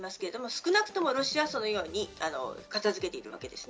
少なくともロシアはそのように片付けています。